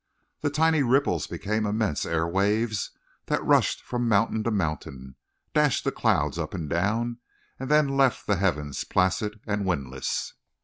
The tiny ripples became immense air waves that rushed from mountain to mountain, dashed the clouds up and down, and then left the heavens placid and windless.